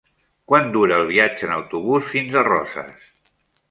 Quant dura el viatge en autobús fins a Roses?